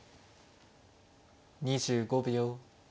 ２５秒。